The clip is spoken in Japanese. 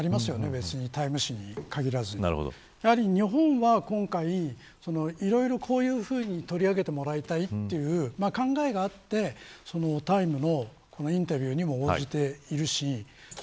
別に、タイム誌に限らず。日本は今回いろいろ取り上げてもらいたいという考えがあってタイムのインタビューにも応じているし